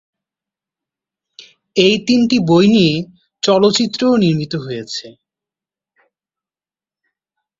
এই তিনটি বই নিয়ে চলচ্চিত্রও নির্মিত হয়েছে।